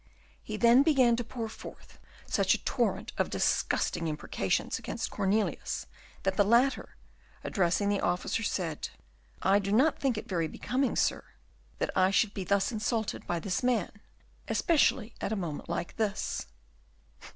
He then began to pour forth such a torrent of disgusting imprecations against Cornelius, that the latter, addressing the officer, said, "I do not think it very becoming sir, that I should be thus insulted by this man, especially at a moment like this."